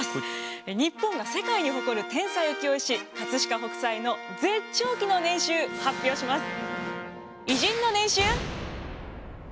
日本が世界に誇る天才浮世絵師飾北斎の絶頂期の年収発表します。